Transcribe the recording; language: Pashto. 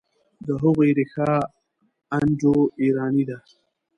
د هغوی ریښه انډوایراني ده.